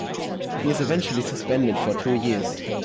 He is eventually suspended for two years.